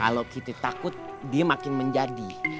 kalau kita takut dia makin menjadi